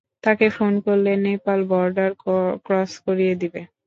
তাকে ফোন করলে Nepal border cross করিয়ে দিবে।